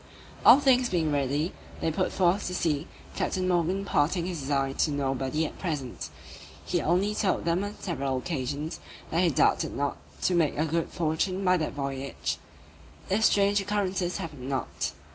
All things being ready, they put forth to sea, Captain Morgan imparting his design to nobody at present; he only told them on several occasions, that he doubted not to make a good fortune by that voyage, if strange occurrences happened not.